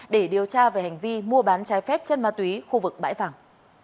để điều tra về hành vi mua bán trái phép chân ma túy khu vực bãi vàng